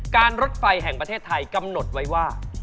รถไฟแห่งประเทศไทยกำหนดไว้ว่า